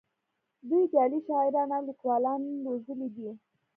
دوی جعلي شاعران او لیکوالان روزلي دي